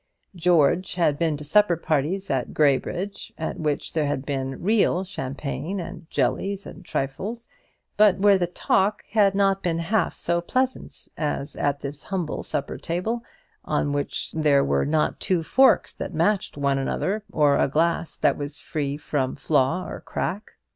George had been to supper parties at Graybridge at which there had been real champagne, and jellies, and trifles, but where the talk had not been half so pleasant as at this humble supper table, on which there were not two forks that matched one another, or a glass that was free from flaw or crack.